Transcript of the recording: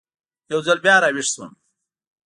یو ځل بیا را ویښ شوم.